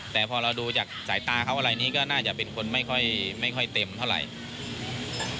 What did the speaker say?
แต่พอเราดูจากสายตาเขาอะไรนี้ก็น่าจะเป็นคนไม่ค่อยเต็มเท่าไหร่